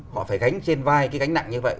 họ phải gánh trên vai cái gánh nặng như vậy